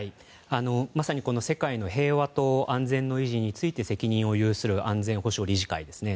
まさに世界の平和と安全の維持について責任を有する安全保障理事会ですね。